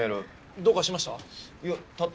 どうかしました？